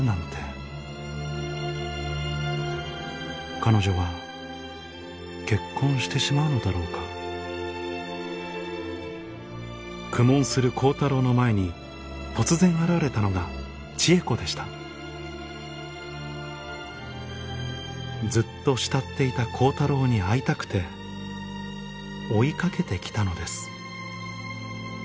彼女は結婚してしまうのだろうか苦悶する光太郎の前に突然現れたのが智恵子でしたずっと慕っていた光太郎に会いたくて追い掛けて来たのです